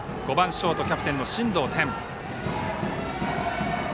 ショートキャプテンの進藤天。